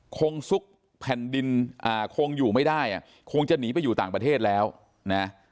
ซุกแผ่นดินคงอยู่ไม่ได้อ่ะคงจะหนีไปอยู่ต่างประเทศแล้วนะ